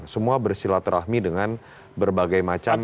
semua bersilaturahmi dengan berbagai macam